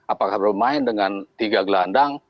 apakah bermain dengan tiga gelandang